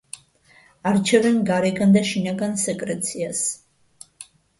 არჩევენ გარეგან და შინაგან სეკრეციას.